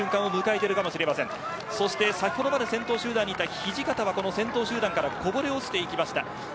先ほどまで先頭集団にいた土方はこぼれ落ちていきました。